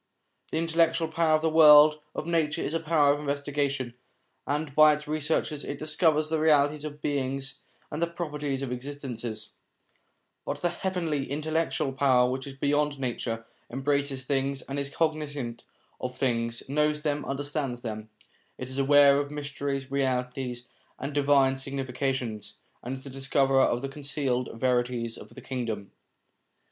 The intellectual power of the world of nature is a power of investigation, and by its researches it discovers the realities of beings, and the properties of existences; but the heavenly intellectual power which is beyond nature, embraces things and is cog nisant of things, knows them, understands them, is aware of mysteries, realities, and divine significations, and is the discoverer of the concealed verities of the Kingdom.